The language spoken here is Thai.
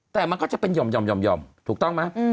แต่มันก็จะเป็นหย่อมถูกต้องไหม